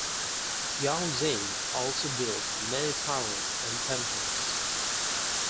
Yao Xing also built many towers and temples.